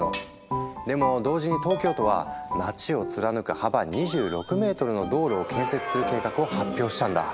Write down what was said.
でも同時に東京都は街を貫く幅２６ｍの道路を建設する計画を発表したんだ。